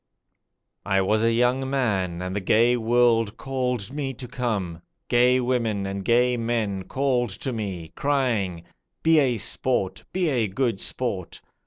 I was a young man, and the gay world called me to come; Gay women and gay men called to me, crying: 'Be a sport; be a good sport!